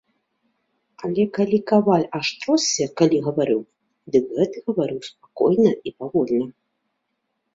Але калі каваль аж тросся, калі гаварыў, дык гэты гаварыў спакойна і павольна.